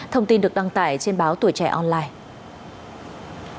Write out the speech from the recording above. thông tin được đăng tải trên báo tuổi trẻ online